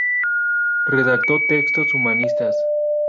Redactó textos humanistas.